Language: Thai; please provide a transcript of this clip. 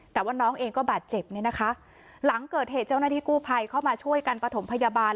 แต่ว่าน้องเองก็บาดเจ็บเนี่ยนะคะหลังเกิดเหตุเจ้าหน้าที่กู้ภัยเข้ามาช่วยกันประถมพยาบาล